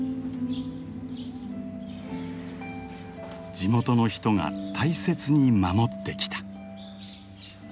地元の人が大切に守ってきた。